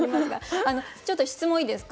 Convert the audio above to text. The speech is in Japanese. ちょっと質問いいですか？